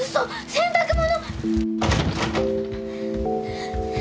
洗濯物！